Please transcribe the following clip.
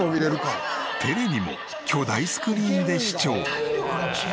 テレビも巨大スクリーンで視聴。